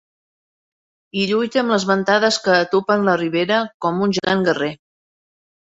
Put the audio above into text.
I lluita amb les ventades que atupen la ribera, com un gegant guerrer.